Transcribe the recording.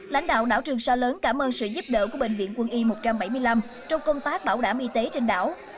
lãnh đạo đảo trường sa lớn cảm ơn sự giúp đỡ của bệnh viện quân y một trăm bảy mươi năm trong công tác bảo đảm y tế trên đảo